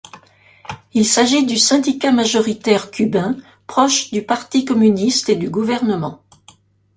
Il s'agit du syndicat majoritaire cubain, proche du parti communiste et du gouvernement.